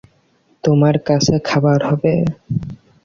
তোমার কাছে খাবার হবে?